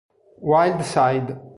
Wild Side